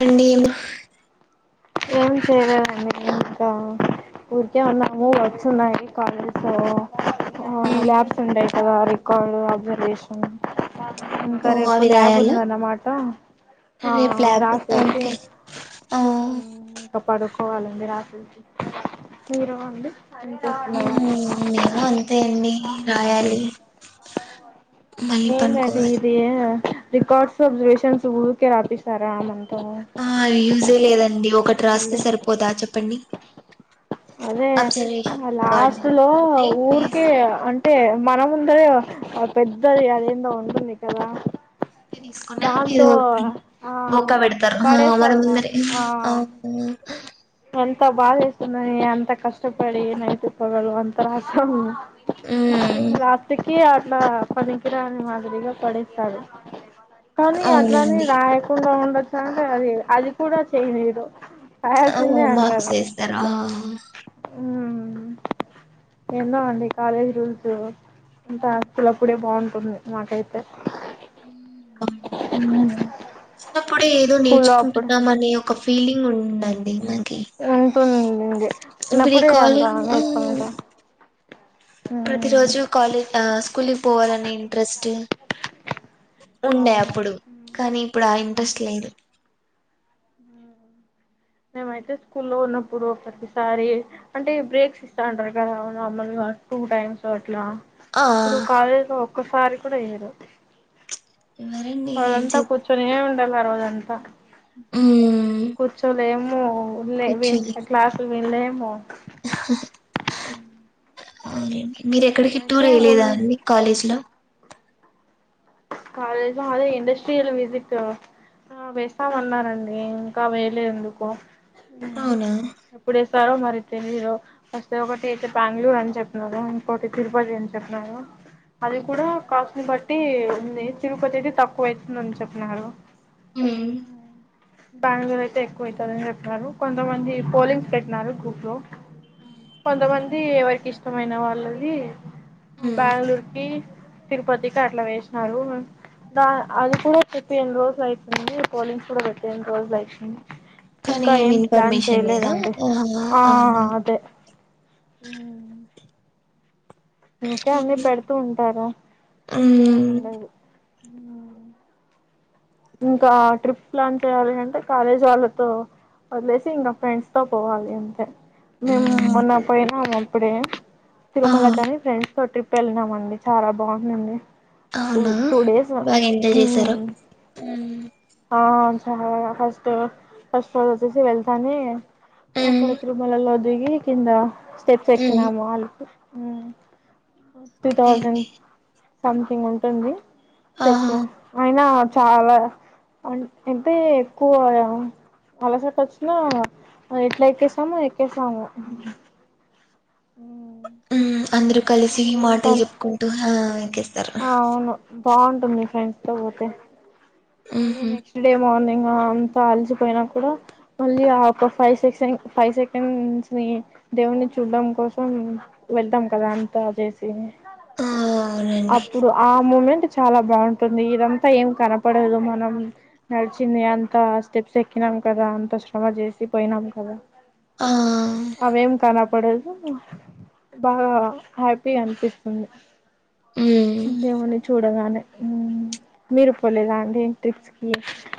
రండియం friends ఏగా మేమింకా ఊరికే ఉన్నాము వర్సున్నాయి కాలేజ్లో ఆ ల్యాబ్స్ ఉంటయ్ కదా రికార్డ్ అబ్జర్వేషన్ ఇంకా ఓ రేపు ల్యాబ్ ఉందన్నమాట రేప్ ల్యాబ్ ఒకే ఆ మ్ ఇంకా పడుకోవాలండి రాత్రికి మీరు అండి ఏం చేస్తున్నారు మ్ మేము అంతే అండి రాయాలి మళ్ళీ ఎం దండి పనుకోవాలి ఇది రికార్డ్స్ అబ్జర్వేషన్స్ ఉరికే రాపిస్తారా ఆ అవి యూజే లేదండి ఒకటి రాస్తే మళ్ళీ సరిపోదా చెప్పండి అదే అబ్జర్వేషన్ లాస్ట్ రికార్డింగ్ లో టైం ఊరికే వేస్ట్ అంటే మన ముందర ఆ పెద్దది అదెందో ఉంటుంది కదా తీసుకున దాంతో ఎదో ఆ ఒకా పెడుతారు పడేస్తారు మనముదరే లాస్ట్ ఆ ఆహా మ్ ఎంత బాదేస్తుంది ఎంత కష్టపడి నైట్ పగలు అంత రాస్తాం ఉమ్ లాస్ట్కి ఆ ట్ల పనికిరాని మాదిరిగా పడేస్తారు కానీ అట్లాని అవునండి రాయకుండా ఉండొచ్చ అంటే అది అది కూడా చేయనీరు ఆ ఓ రాయాల్సిందే మార్క్స్ సేస్తార హుమ్ ఏందో అండి కాలేజ్ రూల్స్ ఇంకా హాస్టల్ అప్పుడే బాగుంటుంది మాకైతే మ్ బాగుంటా చిన్నప్పుడే ఏదో స్కూల్లో అప్పుడు నేర్చుకుంటున్నాం అని ఒక ఫీలింగ్ ఉందండి న కి ఉంటుంది చిన్నప్పుడే అంత భ్రికలింగ్ ఆ నేర్చుకుంటాం ప్రతి రోజు కాలేజ్ ఆ స్కూల్కి పోవాలనే ఇంట్రెస్ట్ ఉండే అవును అప్పుడు కానీ ఇప్పుడు ఆ ఇంట్రెస్ట్ లేదు ఆ మేమైతే స్కూల్ లో ఉన్నప్పుడు ప్రతిసారి అంటే బ్రేక్స్ ఇస్తాంటారు కదా నార్మల్ గా టూ టైమ్స్ అట్లా ఆ ఇప్పుడు కాలేజ్ లో ఒక్కసారి కూడా ఇయ్యరు ఎవరండి ఏం రోజంతా చేద్దాం కూర్చొనే [unintelligible] ఆ రోజంతా మ్మ్ కూర్చోలేము ఉన్ లే వి కూర్చోలేం క్లాసులు వింన్లేము అవునండి మీరు ఎక్కడికి టూర్ మేమైతే ఎయలేదా ముందు అండి కాలేజ్ లో కాలేజ్ లో అదే ఇండస్ట్రియల్ విసిట్ ఆ వేస్తామన్నారండి ఇంకా వేయలే ఎందుకో అవునా ఎప్పుడేస్ స్తరో మరి తెలీయదు ఫస్తే ఒకటి అయితే బెంగళూరు అని చెప్పినారు ఇంకోటి తిరుపతి అని చెప్పినారు అది కూడా కాస్ట్ని బట్టి ఉంది తిరుపతైతే తక్కువైతుందని చెప్పినారూ మ్ బెంగళూరైతే ఎక్కువైతదని చెప్పినారు కొంతమంది పోలింగ్స్ పెట్టినారు గ్రూప్ లో కొంతమంది ఎవరికిష్టమైన వాళ్ళది మ్మ్ బెంగళూరుకిి తిరుపతికి అట్లా వేస్ నారు ద అది కూడా చెప్పి ఎన్ని రోజులైతుంది పోలింగ్స్ కూడా పెట్టి ఎన్ని రోజులై కానీ ఇంకా ఏమి ఏం ప్లాన్ ఇన్ఫర్మేషన్ లేదా చెయలేదండి ఆహా ఆ అవును అదే మ్ ఇంకా ఎన్ని పెడుతూ ఉంటారో హు మ్ మ్ ఇంకా ట్రిప్ ప్లాన్ చేయాలి అంటే కాలేజ్ వాళ్ళతో ఒదిలేసి ఇంకా ఫ్రెండ్స్ తో పోవాలి అంతే మేము మ్మ్ మొన్న పోయినాం అప్పుడే తిరుమల ఆహా కాని ఫ్రెండ్స్ తో ట్రిప్ వెళ్ళినామండి చాలా బాగునింది టూ అవునా టూ డేస్ బాగా ఎంజాయ్ చేశారా మ్మ్ ఆ చాలా ఫస్ట్ ఫస్ట్ ఒచ్చేసి వెళ్తానే ఆక్కడ మ్మ్ తిరుమలలో దిగి కింద స్టెప్స్ మ్మ్ ఎక్కినాము ఆల్లతో మ్ టూ థౌజండ్ సంథింగ్ ఉంటుంది ఆహా స్టెప్స్ అయినా చాలా అన్ అంటే ఎక్కువ అలసట వోచిన ఎట్లా ఎక్కేసాము ఎక్కేసాము మ్ అందరూ కలిసి ఈ మాటలు చెప్పుకుంటూ హ్ ఆ అవును బాగుంటుంది ఫ్రెండ్స్ తో పోతే మళ్ళీ మ్హూ నెక్స్ట్ డే మార్నింగ్ ఇంగ అంతా అలిసిపోయినా కూడా మళ్ళీ ఆ ఒక ఫైవ్ సెకండ్స్ ఫైవ్ సెకండ్స్ ని దేవుని చూడ్డం కోసం వెళ్తాం కదా అంతా చేసి ఆ అవునండి అప్పుడు ఆ మూమెంట్ చాలా బాగుంటుంది ఇదంతా ఏం కనపడదు మనం నడిచింది అంత స్టెప్స్ ఎక్కిన కదా అంత శ్రమ చేసి పోయినం కదా ఆ అవేం కన్ పడదు బాగా హ్యాపీ అనిపిస్తుంది మ్మ్ దేవుణ్ణి చూడగానే మ్ మీరు పోలేదా అండి ట్రిప్స్ కి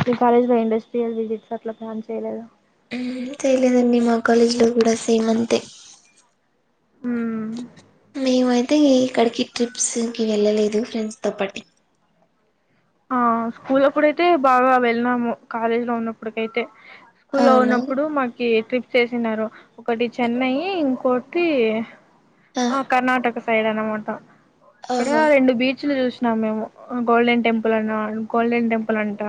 మీ కాలేజ్ లో ఇండస్ట్రియల్ విజిట్స్ అట్లా ప్లాన్ చేయలేదా హుం చేయలేదండి మా కాలేజీలో కూడా సేమ్ అంతే మ్ మేమయితే ఎక్కడికి ట్రిప్స్కి వెళ్ళలేదు ఫ్రెండ్స్ తో పాటి ఆ స్కూల్ అప్పుడైతే బాగా వెళ్ళినాము కాలేజీ లో ఉన్నప్పుటికైతే స్కూల్లో అవునా ఉన్నప్పుడు మాకి చేసినారు ఒకటి చెన్నై ఇంకోటి ఆ కర్ణాటక సైడ్ అనమాట అక్కడే ఓహో రెండు బీచ్లు చూసి ఉన్నం మేము గోల్డెన్ టెంపుల్ అన్నా గోల్డెన్ టెంపుల్ అంట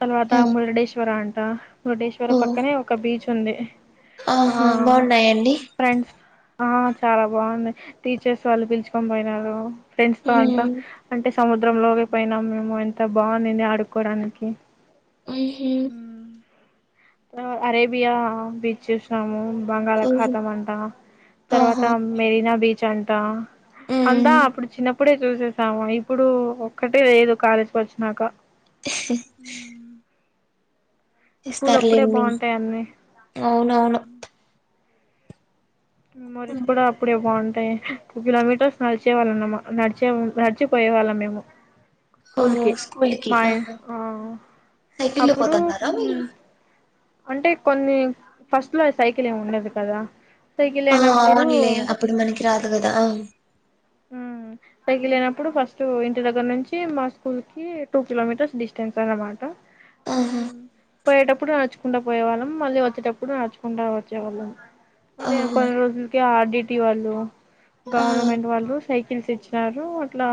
తర్వాత ఆ మురడేశ్వర అంట మురడేశ్వర ఓ పక్కనే ఓక బీచ్ ఉంది ఆ ఆహా బాగున్నాయండి ఫ్రండ్స్ ఆ చాలా బాగుంది టీచర్స్ వాళ్ళు పిలుచుకొని పోయినారు ఫ్రెండ్స్ తో అంతా మ్మ్ అంటే సముద్రం లోకి పోయినాం మేము ఎంత బాగుందింది ఆడుకోడానికి మ్ హు ఆ అరేబియా బీచ్ చూసినాము ఓహో బంగాలకాతం అంటా తర్వాత ఆహా మెరీనా బీచ్ అంట అంతా మ్మ్ అప్పుడు చిన్నప్పుడే చూసేసాము ఇప్పుడు ఒక్కటే లేదు కాలేజీకి వచ్చినాక స్కూల్ ఇస్తారు అప్పుడే లెండి బాగుంటాయి అన్నీ అవునవును మెమోరీస్ ఉమ్, కూడా అప్పుడే బాగుం టె టు కిలోమీటర్స్ నడిచే వాళ్ళనమ్మ నడిచే నడిచిపోయే వాళ్ళం మేము స్కూల్ ఓహో కి స్కూల్ కి మయ్ ఆహా ఆ సైకిల్ లో అప్పుడు పోతున్నారా మీరు మ్ అంటే కొన్ని ఫస్ట్ లో సైకిల్ ఏమి ఉండదు కదా సైకిల్ ఆ అయినప్పుడు అవునులే అప్పుడు మనకి రాదు కదా ఉ సైకిల్ లేనప్పుడు ఫస్ట్ ఇంటి దగ్గర నుంచి మా స్కూల్ కి టూ కిలోమీటర్స్ డిస్టెన్స్ అనమాట ఉ ఆహా మ్ పోయేటప్పుడు నడుచుకుండా పోయే వాళ్ళం మళ్ళీ వచ్చేటప్పుడు నడుచుకుండా వచ్చేవాళ్ళం మళ్లీ ఆ ఓహో కొన్ని రోజులకి ఆర్డటి వాళ్ళు ఆ గవర్నమెంట్ వాళ్ళు రు సైకిల్స్ ఇచ్చినారు అట్లా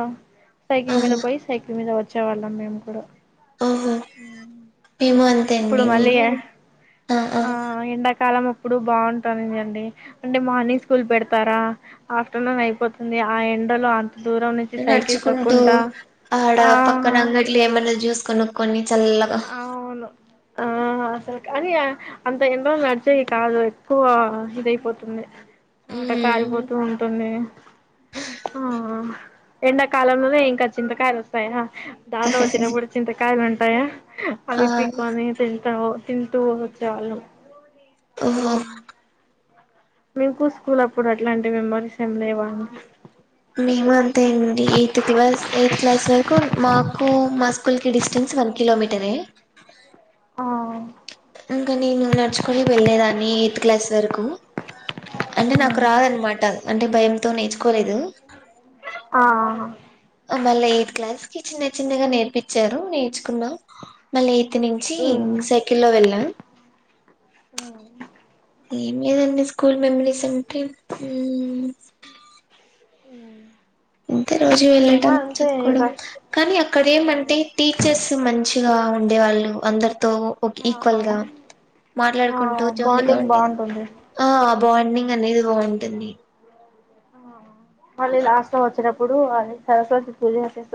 సైకిల్ మీద ఆహా పోయి సైకిల్ సైకిల్ మీద వచ్చే వాళ్ళ మేము కూడా ఓహో మ్ మేము అంతే ఇప్పుడు అండి మళ్ళీ నేను ఆ ఎండాకాలము ఇప్పుడు బాగుంటాదీ అండి అంటె మార్నింగ్ స్కూల్ పెడ్ తార ఆఫ్టర్నూనైపోతుంది ఆ ఎండలో అంత్ దూరం నుంచి సైకిల్ నడుచుకుంటూ తొక్కుంటా ఆడ ఆహ పక్కన అంగట్లో ఏమన్నా జ్యూస్ కొనుక్కొని చల్లగా ఔను ఆ అసల్ కాని అంత ఎండ్రోలు నడిచేవి కాదు ఎక్కువ ఇదయిపోతుంది నోట మ్మ్. కారిపోతూ ఉంటుంది ఆ ఎండాకాలంలోనే ఇంకా చింతకాలు వస్తాయా దారిలో వచ్చేటప్పుడు చింతకాయలు ఉంటాయా ఆ అవి పికోని తింటావు తింటూ చాలు. ఓహో. మీకు స్కూలప్పుడు అట్లాంటి మెమోరీస్ ఏం లేవా అండి. మేము అంతేండి ఎయ్త్ క్లాస్ ఎయ్త్ క్లాస్ వర్కూ ఉ మాకూ మస్ కూల్కి డిస్టెన్స్ వన్ కిలోమీటరె. ఆ. ఇంక నేన్ నడ్చుకొని వెళ్ళేదాన్నీ ఎయ్త్ క్లాస్ వర్కూ. అంటె నాక్ రాదన్మాట అంటె భయంతో నేర్చుకోలేదు. ఆ ఔను. అ మళ్ళా ఎయ్త్ క్లాస్కి చిన్న చిన్నగా నేర్పిచ్చారు నేర్చుకున్నా మళ్ళీ ఎయ్ త్ నించీ ఉమ్ సైకిల్ల్లో వెళ్ళా. ఏం లేదండి స్కూల్ మెమ్రీసంటే ఊమ్. ఊమ్. ఇంతె రోజు వెళ్ళడం ఇంకా చద్కోడం కానీ అక్కడేమంటె టీచెస్ తొ మంచిగా ఉండేవాళ్ళు అందర్తో ఒకీక్వల్ గా ఆ మాట్లాడ్కుంటూ జాలీగా బాండింగ్ ఉండేది బాగుంటుంది ఆ అ బాండింగనేది బాంటుంది. ఆ మళ్ళీ లాస్ట్ లో వచ్చేటప్పుడు అదే సరస్వతి పూజా చేస్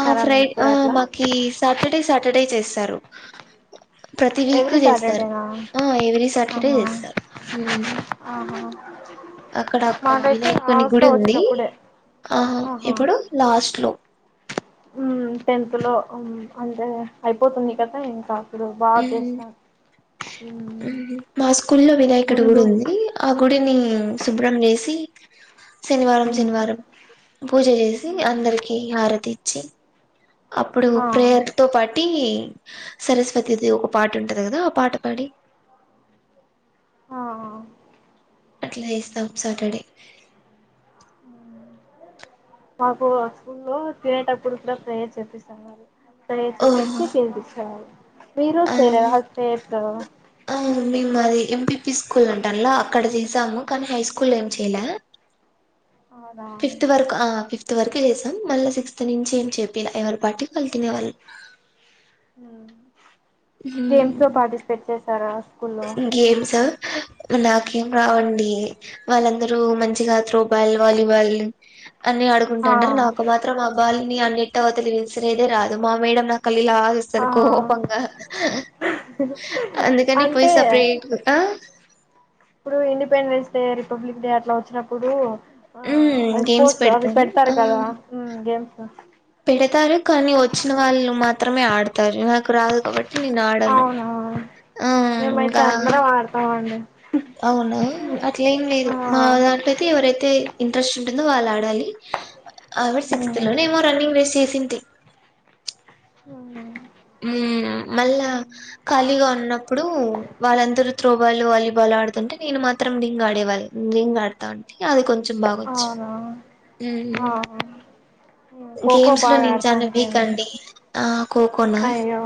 ఆ ఫ్రై ఆ మాకి సాటడే సాటడే చేస్తారు. ప్రతి వీకు ఎవ్రీ జేస్తారు సాటర్డేనా ఆ ఎవ్రీ సాటడే ఆహా జేస్తారు ఊమ్. ఆహా అక్కడొక్క మాకైతే వినాయకుని లాస్ట్ గుడి లో ఉంది వచ్చేటప్పుడే ఆ ఇప్పుడు లాస్ట్ లో ఊమ్ టెన్త్ లో ఊమ్ అంటే ఐపోతుంది కదా ఇంక. ప్పుడు బా చేసా ఊమ్హూ మా స్కూల్లో వినాయకుడి ముందు గుడుంది ఆ గుడినీ ఉమ్ సుబ్రం జేసీ శనివారం మ్మ్ శనివారం పూజ జేసి అందర్కీ హారతిచ్చి అప్పుడు ఆ ప్రేయర్ తో పాటీ సరస్వతీదేవ్ ఒక పాటుంటద్ గదా ఆ పాట పడి ఆ. అట్ల జేస్తాం సాటడే ఊమ్ మాకూ స్కూల్లో తినేటప్పుడు కూడా ప్రేయర్ చేపిస్తార్ మరి ప్రేయర్ ఓహో చేపిచ్చి తిన్పిచ్చేవారు మీరు ఆ చేయ్లేదా ప్రేయర్సు. ఆ మేము అది ఎంపీపీ స్కూలంటాల్లా అక్కడ జేసాము కానీ హైస్కూల్లేం చెయ్లా. అవునా ఫిఫ్త్ వర్కు ఆ ఫిఫ్త్ వర్కు జేసా అమ్ మళ్ళ సిక్స్త్ నుంచేం చేపీల ఎవర్ పాటిక్ వాళ్ తినేవాళ్ళు. ఊమ్ హ్మ్ గేమ్స్లొ పాటిస్పెట్ చేసారా. స్కూల్లో గేమ్స్ నాకేం రావండీ. వాళ్ళందరూ మంచిగా త్రోబాల్ వాలీబాల్ అన్నీ ఆ ఆడుకుంటాంటార్ నాకు మాత్రం ఆ బాల్ని ఆ నెట్టవ్తల విసిరేదే రాదు మా మేడమ్ నాక్ కల్లిలా జూస్తది ఆ కోపంగా అందుకనీ నేన్ సప్రేట్గు ఆ ఇప్పుడూ ఇండిపెండెన్స్డే రిపబ్లిక్డే అట్ల వచ్చినప్పుడూ ఆ హ్మ్ అవి గేమ్స్ స్పోర్ట్స్ అవి పెడతారు పెడుతారు కదా మ్ గేమ్స్ పెడుతారు కానీ వచ్చిన వాళ్ళు మాత్రమే ఆడుతారు నాకు రాదు కాబట్ ట్టి నేను ఆడాను అవునా ఆ మేమైతే ఇంకా అందరం ఆడతామండి అవునా అట్లేం లేదు ఆ మా దాంట్లో అయితే ఎవరైతే ఇంట్రెస్టుంటుందో వాళ్ళాడాలి ఆవిడ్ సిక్స్త్ లోనో ఏమో రన్నింగ్ రేస్ చేసింది. టి ఔనా ఉమ్. మళ్ళా ఖాళీగా ఉన్నప్పుడు వాళ్ళందరూ త్రోబాలు వాలీబాలాడుతుంటే నేను మా నేను మాత్రం రింగాడేవాళ్ళ రింగ్ ఆడుతా ఉంటి అది కొంచెం బాగొచ్చు అవునా ఆ మ్ ఖోఖో గేమ్స్లో బాగా నేను చాన ఆడతాంటిండి వీకండి ఆ కోకోనా అయ్యో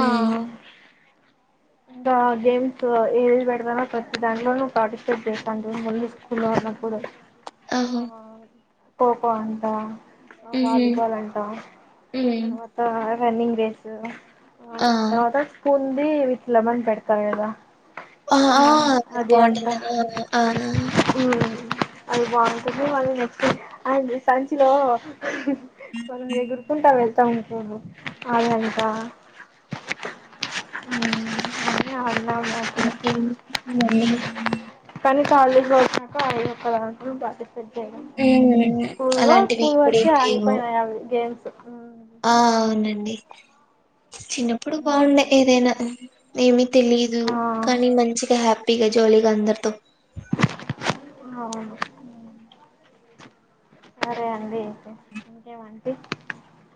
ఆ ఇంకా గేమ్స్ ఏదిబెడుతారో ప్రతి దాంట్లోను పార్టిసిపేట్ చేస్థంటిమి ఓన్లీ స్కూల్ ఉన్నప్పుడు ఆ ఆహా కోకో అంటా మ్హూ వాలీబాలంటా మ్మ్ తర్వాత రన్నింగ్ రేస్ ఆ తర్వాత స్పూంది విత్ లెమన్ పెడుతారుగదా ఆ అది అంటా బాగుంటుందా ఆ ఆ మ్ అది బాగుంటది మళ్ళి నెక్స్ట్ ఆ సంచిలో మనం ఎగుర్కుంటా వెళ్తాము అదంట హుమ్ ఆడినం ఇంకేంటండీ [inaudible] [inaudible] హ్మ్ స్కూళ్ళో అలాంటివి స్కూల్ ఇప్పుడేం వరకే లేవు ఆగిపోయినాయి అవి గేమ్స్ ఆ ఔనండి చిన్నప్పుడు బాగుండే ఏదైనా మెబి తెలీదు ఆ కానీ మంచిగా హ్యాపీగా జాలీగా అందరితో అవును సరే అండి ఐతే ఇంకేమంటి